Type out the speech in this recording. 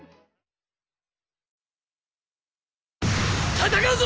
戦うぞ！